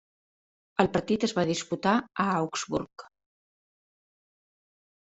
El partit es va disputar a Augsburg.